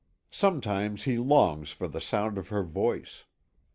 Sometimes he longs for the sound of her voice.